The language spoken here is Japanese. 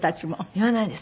言わないです。